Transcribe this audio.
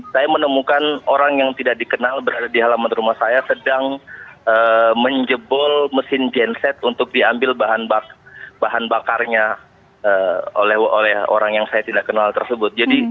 saya menemukan orang yang tidak dikenal berada di halaman rumah saya sedang menjebol mesin genset untuk diambil bahan bakarnya oleh orang yang saya tidak kenal tersebut